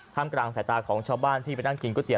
กลางสายตาของชาวบ้านที่ไปนั่งกินก๋วเตี๋